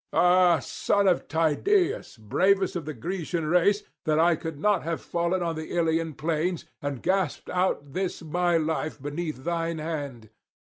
Ah, son of Tydeus, bravest of the Grecian race, that I could not have fallen on the Ilian plains, and gasped out this my life beneath thine hand!